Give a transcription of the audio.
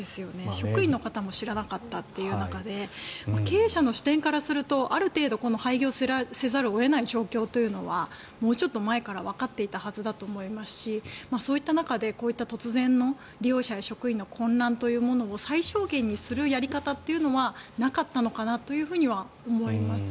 職員の方も知らなかったという中で経営者の視点からするとある程度廃業せざるを得ない状況というのはもうちょっと前からわかっていたはずだと思いますしそういった中でこういった突然の利用者や職員の混乱というものを最小限にするやり方というのはなかったのかなとは思います。